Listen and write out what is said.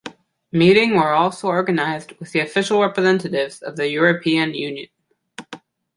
Meeting were also organized with the official representatives of the European Union.